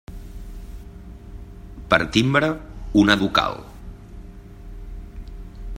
Per timbre, una ducal.